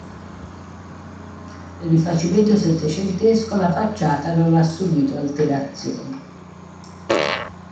Nel rifacimento settecentesco la facciata non ha subito alterazioni.